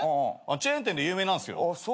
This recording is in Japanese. チェーン店で有名なんすよ。